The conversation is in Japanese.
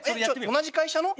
同じ会社の。